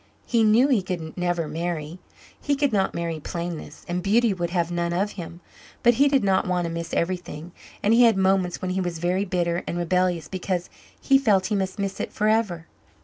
He knew he would never marry; he could not marry plainness, and beauty would have none of him; but he did not want to miss everything and he had moments when he was very bitter and rebellious because he felt he must miss it forever.